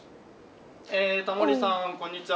えタモリさんこんにちは。